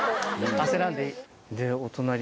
焦らんでいい。